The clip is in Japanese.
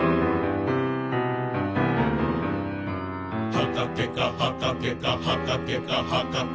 「はかけかはかけかはかけかはかけか」